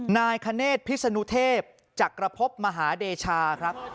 นายคเนธพิศนุเทพจากกระพบมหาเดชา